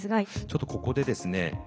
ちょっとここでですね